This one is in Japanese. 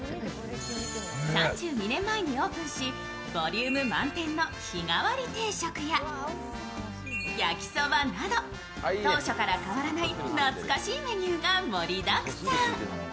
３２年前にオープンし、ボリューム満点の日替わり定食や焼きそばなど当初から変わらない懐かしいメニューが盛りだくさん。